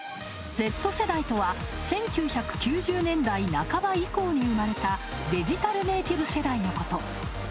Ｚ世代とは、１９９０年代半ば以降に生まれたデジタルネーティブ世代のこと。